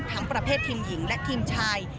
ประเภททีมหญิงและทีมชาย